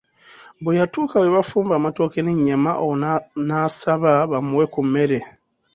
Bwe yatuuka we bafumba amatooke n'ennyama, awo n'asaba bamuwe ku mmere.